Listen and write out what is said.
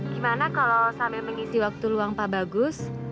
gimana kalau sampai mengisi waktu luang pak bagus